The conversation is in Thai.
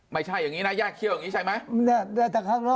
ไม่ใช่อย่างนี้นะแยกเขี้ยวอย่างนี้ใช่ไหม